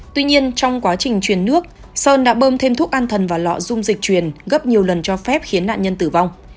tuy nhiên trong quá trình truyền nước sơn đã bơm thêm thuốc an thần và lọ dung dịch truyền gấp nhiều lần cho phép khiến nạn nhân tử vong